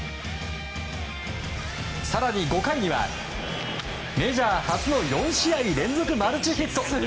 更に、５回にはメジャー初の４試合連続マルチヒット！